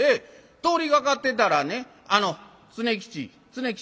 通りがかってたらね『常吉常吉。